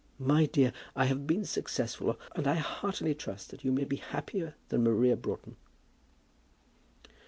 My dear, I have been successful, and I heartily trust that you may be happier than Maria Broughton."